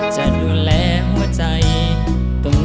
จะดูแลหัวใจตัวเอง